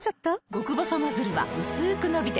極細ノズルはうすく伸びて